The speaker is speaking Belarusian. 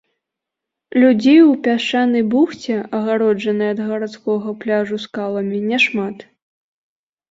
Людзей у пясчанай бухце, адгароджанай ад гарадскога пляжу скаламі, няшмат.